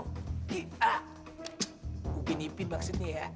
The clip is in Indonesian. gua binipin maksudnya ya